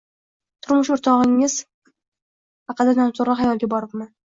Turmush o`rtog`ingiz haqida noto`g`ri xayolga boribman